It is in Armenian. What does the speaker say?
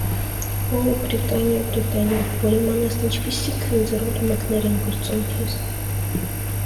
Օ՜, Բրիտանիա, Բրիտանիա, որ իմանաս ինչպիսի՜ քնձռոտ մկներ են կրծում քեզ…